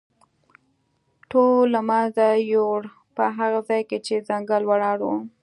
ټول له منځه یووړ، په هغه ځای کې چې ځنګل ولاړ و.